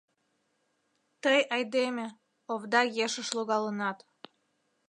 Тый айдеме-овда ешыш логалынат...